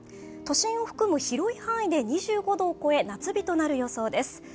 都心を含む広い範囲で２５度を超え、夏日となる予想です。